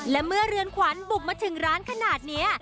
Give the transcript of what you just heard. และเมื่อเรือนขวัญบุกมาถึงร้านขนาดนี้